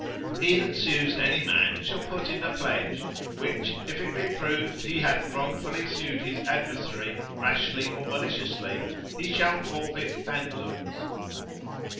He that sues any man shall put in a pledge, which if it be proved he hath wrongfully sued his adversary, rashly or maliciously, he shall forfeit, and lose.